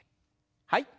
はい。